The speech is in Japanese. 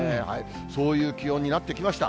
そういう気温になってきました。